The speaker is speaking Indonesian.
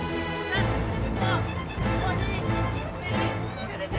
serang bantung untuk diras